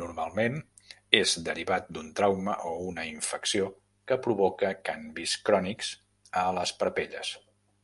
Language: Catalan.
Normalment, és derivat d'un trauma o una infecció que provoca canvis crònics a les parpelles.